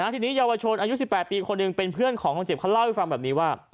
ทีนี้เยาวชนอายุ๑๘ปีคนหนึ่งเป็นเพื่อนของคนเจ็บเขาเล่าให้ฟังแบบนี้ว่า